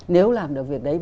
nếu làm được việc đấy